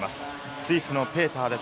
スイスのペーターです。